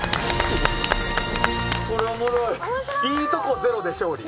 いいとこゼロで勝利。